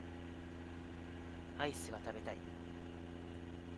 アイスが食べたい